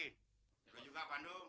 juga juga pandu